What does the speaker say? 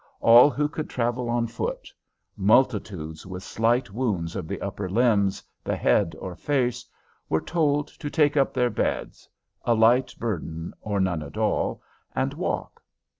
All who could travel on foot, multitudes with slight wounds of the upper limbs, the head, or face, were told to take up their beds, a light burden or none at all, and walk.